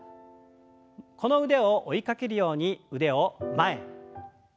この腕を追いかけるように腕を前前。